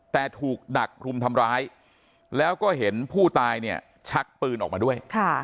แต่ถูกดักรุมทำร้ายแล้วก็เห็นผู้ตายเนี่ยชักปืนออกมาด้วย